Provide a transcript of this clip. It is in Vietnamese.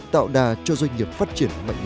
tạo đà cho doanh nghiệp phát triển mạnh mẽ